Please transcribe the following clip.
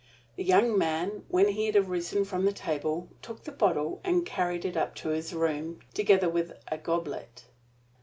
The young man, when he had arisen from the table, took the bottle and carried it up to his room, together with a goblet.